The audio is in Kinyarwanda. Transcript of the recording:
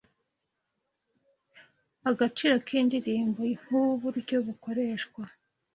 Agaciro k’indirimbo nk’uburyo bukoreshwa